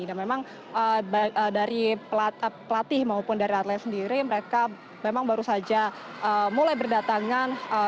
dan memang dari pelatih maupun dari atlet sendiri mereka memang baru saja mulai berdatangan